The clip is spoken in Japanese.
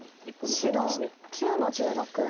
白９の十六。